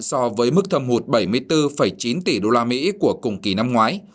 so với mức thâm hụt bảy mươi bốn chín tỷ usd của cùng kỳ năm ngoái